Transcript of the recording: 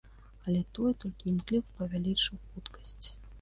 Але той толькі імкліва павялічыў хуткасць.